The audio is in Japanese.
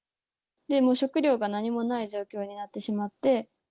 もう食料が何もない状況になってしまって。